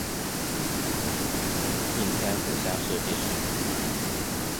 应天府乡试第十名。